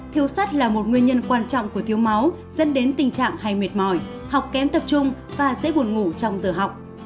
thiếu sắt là một nguyên nhân quan trọng của thiếu máu dẫn đến tình trạng hay mệt mỏi học kén tập trung và dễ buồn ngủ trong giờ học